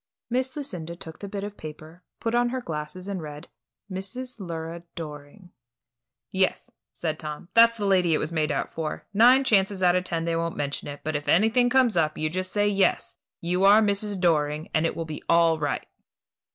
Miss Lucinda took the bit of paper, put on her glasses, and read, "Mrs. Lura Doring." "Yes," said Tom; "that's the lady it was made out for. Nine chances out of ten they won't mention it; but if anything comes up, you just say yes, you are Mrs. Doring, and it will be all right."